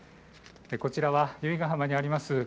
こちらは由比ヶ浜にあります